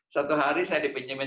satu hari saya dipinjemin